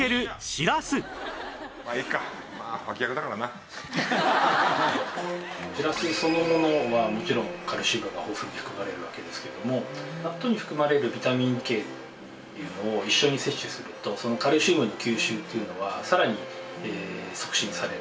しらすそのものはもちろんカルシウムが豊富に含まれるわけですけども納豆に含まれるビタミンＫっていうのを一緒に摂取するとそのカルシウムの吸収というのはさらに促進される。